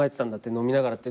飲みながらって。